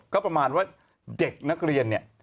ก็ประมาณว่าเด็กนักเรียนเนี่ย